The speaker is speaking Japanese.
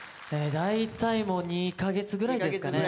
大体もう２か月ぐらいですかね。